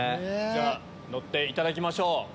乗っていただきましょう。